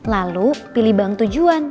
lalu pilih bank tujuan